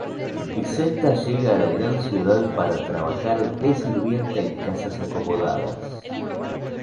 Vicenta llega a la gran ciudad para trabajar de sirvienta en casas acomodadas.